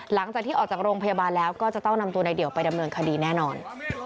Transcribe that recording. หลังจากที่ออกจากโรงพยาบาลแล้วก็จะต้องนำตัวในเดี่ยวไปดำเนินคดีแน่นอน